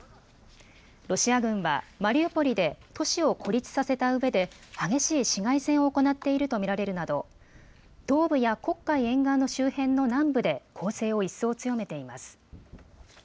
ロシア軍はマリウポリで都市を孤立させたうえで激しい市街戦を行っていると見られるなど東部や黒海沿岸の周辺の南部で攻勢を一層、強めています。